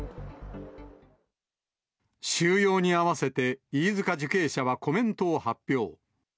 収容に合わせて飯塚受刑者はコメントを発表。